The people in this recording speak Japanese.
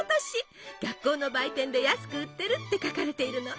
学校の売店で安く売ってるって書かれているの。